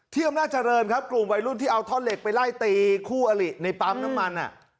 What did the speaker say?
อำนาจเจริญครับกลุ่มวัยรุ่นที่เอาท่อนเหล็กไปไล่ตีคู่อลิในปั๊มน้ำมัน